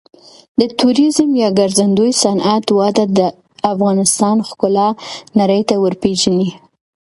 د توریزم یا ګرځندوی صنعت وده د افغانستان ښکلا نړۍ ته ورپیژني.